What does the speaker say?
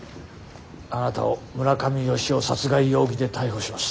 あなたを村上好夫殺害容疑で逮捕します。